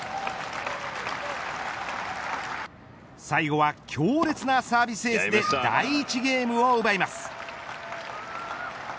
最後は強烈なサービスエースで第１ゲームを奪います。